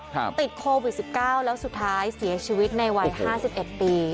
ติดโควิด๑๙แล้วสุดท้ายเสียชีวิตในวัย๕๑ปี